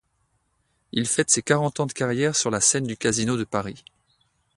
Il fête ses quarante ans de carrière sur la scène du Casino de Paris.